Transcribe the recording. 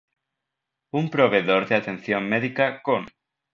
Un proveedor de atención médica con